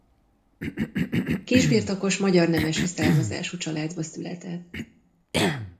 Kisbirtokos magyar nemesi származású családba született.